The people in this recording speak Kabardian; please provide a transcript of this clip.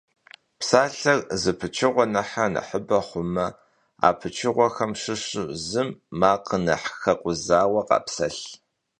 Psalher zı pıçığue nexhre nexhıbe xhume, a pıçığuexem şışu zım makhır nexh xekhuzaue khapselh.